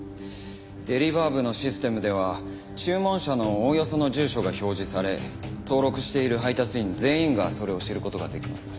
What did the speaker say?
デリバー部のシステムでは注文者のおおよその住所が表示され登録している配達員全員がそれを知る事ができます。